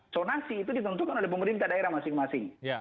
sonasi itu ditentukan oleh pemerintah daerah masing masing